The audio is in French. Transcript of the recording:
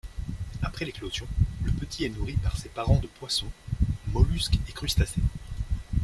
Après l’éclosion, le petit est nourri par ses parents de poissons, mollusques et crustacés.